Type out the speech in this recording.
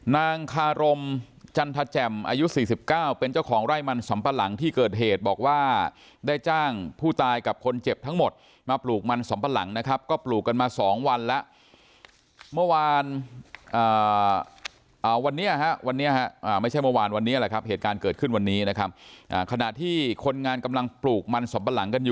นางคารมจันทแจ่มอายุ๔๙เป็นเจ้าของไร่มันสำปะหลังที่เกิดเหตุบอกว่าได้จ้างผู้ตายกับคนเจ็บทั้งหมดมาปลูกมันสำปะหลังนะครับก็ปลูกกันมา๒วันแล้วเมื่อวานวันนี้ฮะวันนี้ฮะไม่ใช่เมื่อวานวันนี้แหละครับเหตุการณ์เกิดขึ้นวันนี้นะครับขณะที่คนงานกำลังปลูกมันสำปะหลังกันอยู่